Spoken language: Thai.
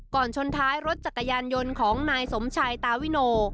ชนท้ายรถจักรยานยนต์ของนายสมชายตาวิโน